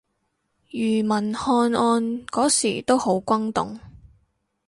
庾文翰案嗰時都好轟動